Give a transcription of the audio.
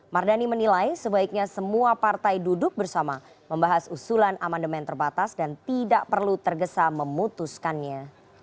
mardani menilai sebaiknya semua partai duduk bersama membahas usulan amandemen terbatas dan tidak perlu tergesa memutuskannya